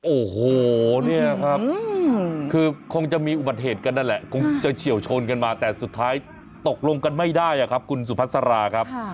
โอ้โหเนี่ยครับคือคงจะมีอุบัติเหตุกันนั่นแหละคงจะเฉียวชนกันมาแต่สุดท้ายตกลงกันไม่ได้ครับคุณสุพัสราครับ